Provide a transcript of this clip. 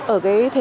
ở thế hệ trẻ